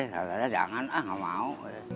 ternyata jangan ah nggak mau